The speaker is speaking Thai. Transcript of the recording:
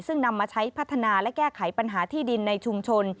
ซึ่งนำมาใช้พัฒนาและแก้ไขปัญหาที่ดินในชุมชน